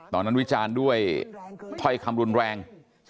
ตอนนั้นวิจารณ์ด้วยค่อยคำรุนแรง